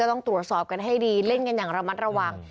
ต้องตรวจสอบกันให้ดีเล่นกันอย่างระมัดระวัง